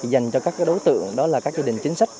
đối tượng đó là các gia đình chính sách